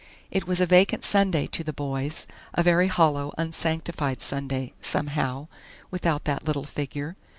It was a vacant Sunday to "the boys," a very hollow, unsanctified Sunday, somehow, without that little figure.